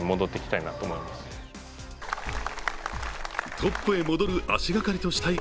トップへ戻る足がかりとしたい